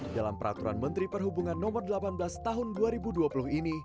dalam peraturan menteri perhubungan no delapan belas tahun dua ribu dua puluh ini